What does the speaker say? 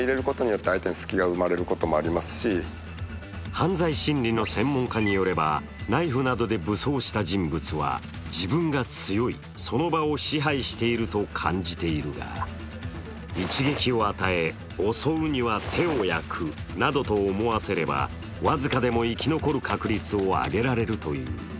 犯罪心理の専門家によればナイフなどで武装した人物は、自分が強い、その場を支配していると感じているが一撃を与え、襲うには手を焼くなどと思わせれば僅かでも生き残る確率を上げられるという。